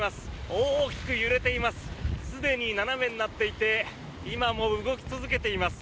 大きく揺れています。